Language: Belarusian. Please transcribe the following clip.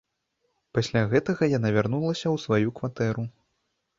Пасля гэтага яна вярнулася ў сваю кватэру.